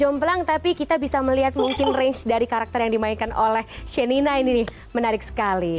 jomplang tapi kita bisa melihat mungkin range dari karakter yang dimainkan oleh shenina ini nih menarik sekali